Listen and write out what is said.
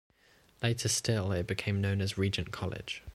Later still it became known as Regent College.